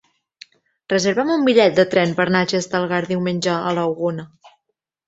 Reserva'm un bitllet de tren per anar a Xestalgar diumenge a la una.